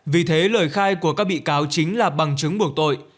vì thế lời khai của các bị cáo chính là bằng chứng buộc tội